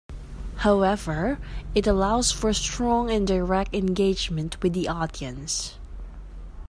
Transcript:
However, it allows for strong and direct engagement with the audience.